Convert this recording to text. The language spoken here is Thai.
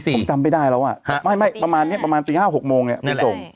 ผมจำไม่ได้แล้วอ่ะไม่ประมาณนี้ประมาณตี๕๖โมงเนี่ยไม่ส่ง